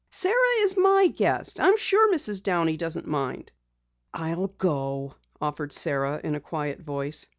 Sara is my guest. I'm sure Mrs. Downey doesn't mind." "I'll go," offered Sara in a quiet voice.